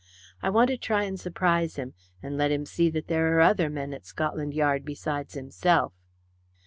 I want to try and surprise him, and let him see that there are other men at Scotland Yard besides himself."